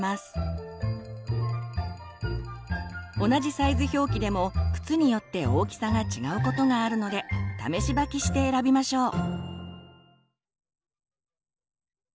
同じサイズ表記でも靴によって大きさが違うことがあるので試し履きして選びましょう。